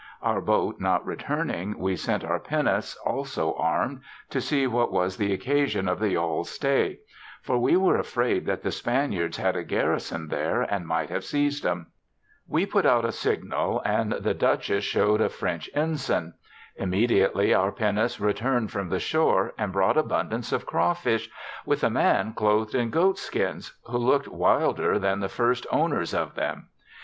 Our boat not returning we sent our pinnace, also arm'd^ to see what was the occasion of the yall's stay ; for we were afraid that the Spaniards had a garison there and might have seized 'em. We put out a signal^ and the ^ Dutchess ' show'd a French ensign. Im mediately our pinnace returned from the shore, and brought abundance of craw fish with a man cloth'd in goat skins, who look'd wilder than the first owner's of them.